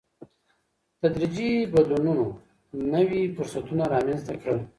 تدريجي بدلونونو نوي فرصتونه رامنځته کړل.